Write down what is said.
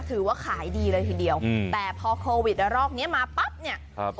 ถือว่าขายดีเลยทีเดียวแต่พอโควิดแล้วรอกนี้มาปั๊บ